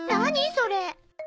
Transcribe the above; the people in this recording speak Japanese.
それ。